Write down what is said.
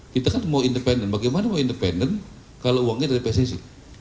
kita kan mau independen bagaimana mau independen kalau uangnya dari pssi